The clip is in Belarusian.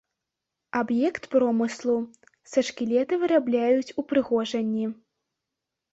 Аб'ект промыслу, са шкілета вырабляюць упрыгожанні.